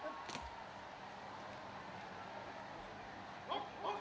ขอบคุณทุกคน